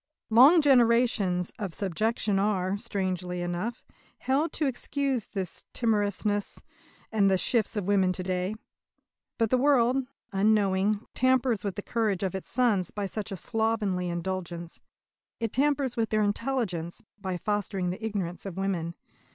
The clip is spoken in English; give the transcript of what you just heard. "Long generations" of subjection are, strangely enough, held to excuse the timorousness and the shifts of women to day. But the world, unknowing, tampers with the courage of its sons by such a slovenly indulgence. It tampers with their intelligence by fostering the ignorance of women.